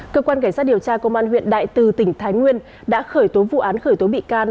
cơ quan cảnh sát điều tra công an huyện đại từ tỉnh thái nguyên đã khởi tố vụ án khởi tố bị can